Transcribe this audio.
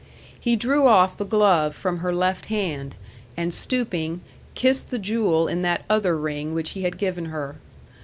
He drew off the glove from her left hand, and stooping, kissed the jewel in that other ring which he had given her.